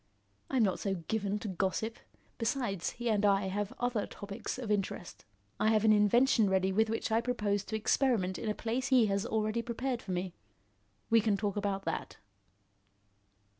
I'm not so given to gossip. Besides, he and I have other topics of interest. I have an invention ready with which I propose to experiment in a place he has already prepared for me. We can talk about that."